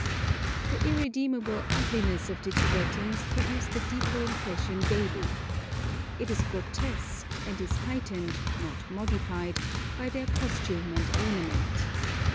The irredeemable ugliness of the Tibetans produced a deeper impression daily. It is grotesque, and is heightened, not modified, by their costume and ornament.